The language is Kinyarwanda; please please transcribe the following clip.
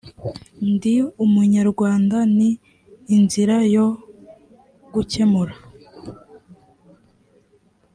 ndi umunyarwanda ni inzira yo gukemura